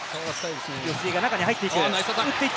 吉井が中に入っていく。